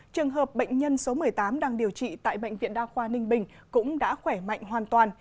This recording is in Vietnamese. trường hợp bệnh nhân số một mươi tám đang điều trị tại bệnh viện đa khoa ninh bình cũng đã khỏe mạnh hoàn toàn